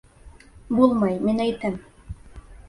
Булмай, мин әйтәм.